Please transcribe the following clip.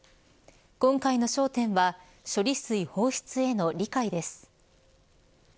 今回の焦点は処理水放出への理解です。